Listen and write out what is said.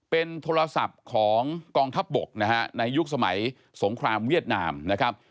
เป็นโทรศัพท์ของกองทัพบกนะฮะในยุคสมัยสงครามเวียดนามนะครับ